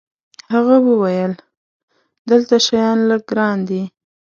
هغه وویل: دلته شیان لږ ګران دي.